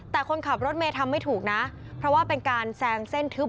แต่คนขับรถเมย์ทำไม่ถูกนะเพราะว่าเป็นการแซงเส้นทึบ